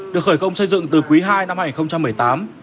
được khởi công xây dựng từ quý ii năm hai nghìn một mươi tám